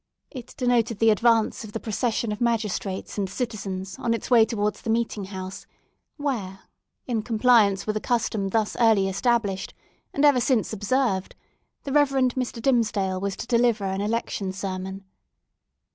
It denoted the advance of the procession of magistrates and citizens on its way towards the meeting house: where, in compliance with a custom thus early established, and ever since observed, the Reverend Mr. Dimmesdale was to deliver an Election Sermon.